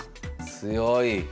強い！